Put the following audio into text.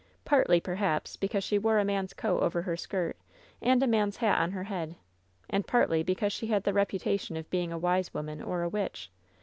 Partly, perhaps, because she wore a man's coat over her skirt, and a man's hat on her head, and partly because she had the reputation of being a wise woman or a witch.